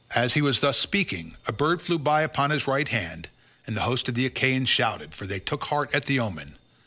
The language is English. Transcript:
As he was thus speaking a bird flew by upon his right hand, and the host of the Achaeans shouted, for they took heart at the omen.